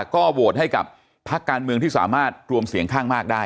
ก็โหวตให้กับพักการเมืองที่สามารถรวมเสียงข้างมากได้